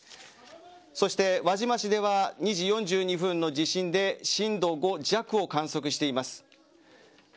そして、輪島市では２時４２分の地震で震度５弱を観測しています。